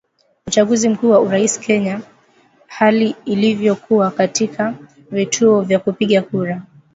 Uchaguzi Mkuu wa Urais Kenya hali ilivyokuwa katika vituo vya kupiga kura